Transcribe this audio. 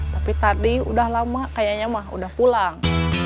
tapi tadi sudah lama kayaknya mah sudah pulang